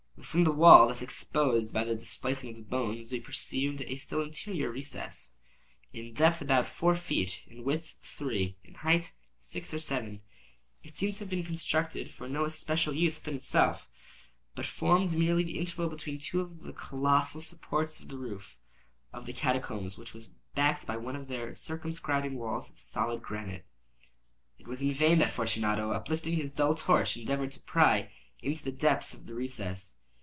Within the wall thus exposed by the displacing of the bones, we perceived a still interior recess, in depth about four feet, in width three, in height six or seven. It seemed to have been constructed for no especial use in itself, but formed merely the interval between two of the colossal supports of the roof of the catacombs, and was backed by one of their circumscribing walls of solid granite. It was in vain that Fortunato, uplifting his dull torch, endeavored to pry into the depths of the recess.